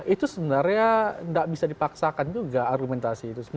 itu sebenarnya tidak bisa dipaksakan juga argumentasi itu